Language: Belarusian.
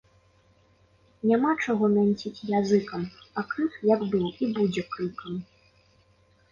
Няма чаго мянціць языкам, а крык, як быў, і будзе крыкам